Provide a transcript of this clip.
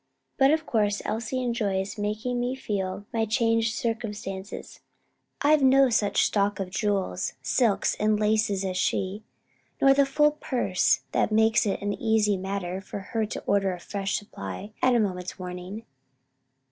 But of course Elsie enjoys making me feel my changed circumstances. I've no such stock of jewels, silks and laces as she, nor the full purse that makes it an easy matter for her to order a fresh supply at a moment's warning."